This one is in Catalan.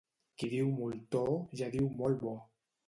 Qui diu moltó ja diu molt bo.